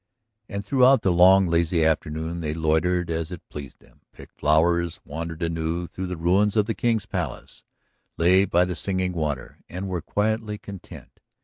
And throughout the long lazy afternoon they loitered as it pleased them, picked flowers, wandered anew through the ruins of the King's Palace, lay by the singing water, and were quietly content.